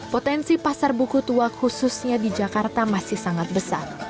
potensi pasar buku tua khususnya di jakarta masih sangat besar